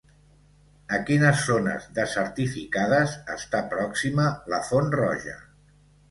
A quines zones desertificades està pròxima la Font Roja?